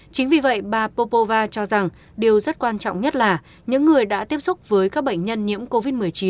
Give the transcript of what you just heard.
chính vì vậy bà popova cho rằng điều rất quan trọng nhất là những người đã tiếp xúc với các bệnh nhân nhiễm covid một mươi chín